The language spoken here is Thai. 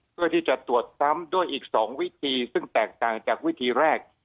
เพื่อที่จะตรวจซ้ำด้วยอีก๒วิธีซึ่งแตกต่างจากวิธีแรก